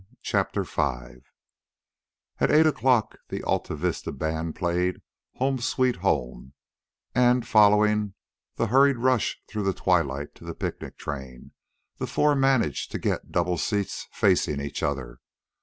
CHAPTER V At eight o'clock the Al Vista band played "Home, Sweet Home," and, following the hurried rush through the twilight to the picnic train, the four managed to get double seats facing each other.